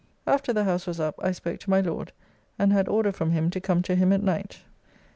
] After the House was up, I spoke to my Lord, and had order from him to come to him at night.